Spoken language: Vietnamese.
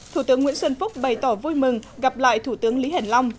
thủ tướng nguyễn xuân phúc bày tỏ vui mừng gặp lại thủ tướng lý hiển long